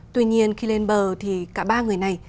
tuy nhiên khi lên bờ thì cả ba người này